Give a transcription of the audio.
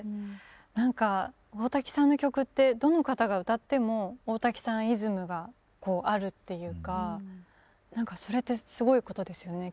何か大滝さんの曲ってどの方が歌っても大滝さんイズムがあるっていうか何かそれってすごいことですよね。